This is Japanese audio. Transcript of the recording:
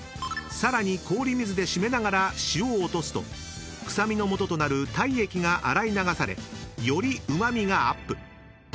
［さらに氷水で締めながら塩を落とすと臭みのもととなる体液が洗い流されよりうま味がアップ］